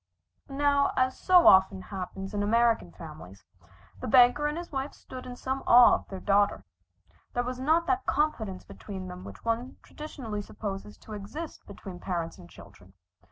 Now, as so often happens in American families, the banker and his wife stood in some awe of their daughter. There was not that confidence between them which one traditionally supposes to exist between parents and children.